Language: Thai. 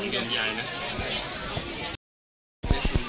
อันนี้คือในบ้านสองสี่คนยังไงนะ